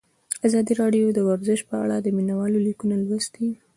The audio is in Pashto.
ازادي راډیو د ورزش په اړه د مینه والو لیکونه لوستي.